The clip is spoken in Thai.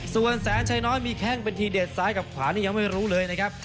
ส่วนแสนชัยน้อยมีแข้งเป็นทีเด็ดซ้ายกับขวานี่ยังไม่รู้เลยนะครับ